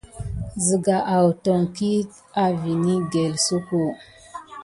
Ziga àton kik à vini gəlsoko.